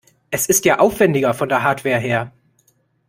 Es ist ja aufwendiger von der Hardware her.